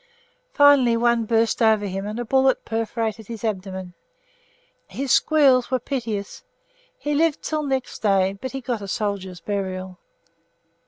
Finally one burst over him and a bullet perforated his abdomen. His squeals were piteous. He lived until the next day, but he got a soldier's burial.